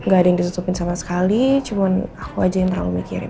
gak ada yang ditutupin sama sekali cuma aku aja yang terlalu mikirin